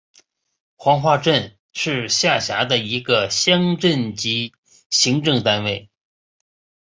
黄花镇是下辖的一个乡镇级行政单位。